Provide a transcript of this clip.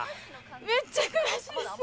めっちゃ悔しいです。